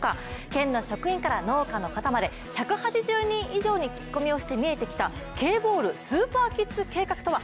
県の職員から農家の方まで、１８０人以上に聞き込みをして見えてきた、Ｋボールスーパーキッズ計画とは。